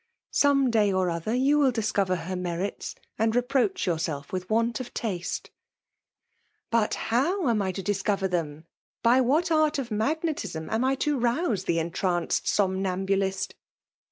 Some, day or other 3?ou Will discover her merits, and reproach yourself with want of taste." 'Btit. how am I to discover th^m ? By what att of magnetism am I to rouse the entranced somnambulist